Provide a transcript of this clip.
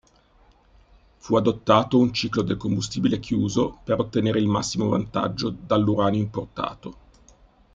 Fu adottato un ciclo del combustibile chiuso per ottenere il massimo vantaggio dall'uranio importato.